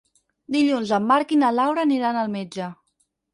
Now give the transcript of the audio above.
Dilluns en Marc i na Laura aniran al metge.